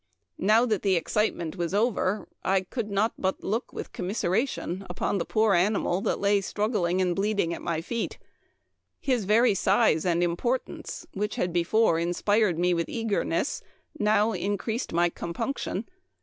Now that the excitement was over I could not but look with commisera tion upon the poor animal that lay struggling and bleeding at my feet. His very size and importance, which had before inspired me with eagerness, now increased my compunction.